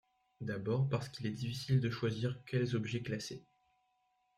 D'abord, parce qu'il est difficile de choisir quels objets classer.